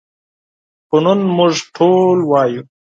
خو نن موږ ټول وایو.